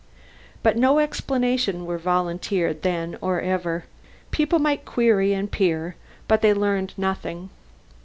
But no explanations were volunteered then or ever. People might query and peer, but they learned nothing.